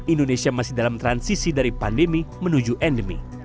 indonesia masih dalam transisi dari pandemi menuju endemi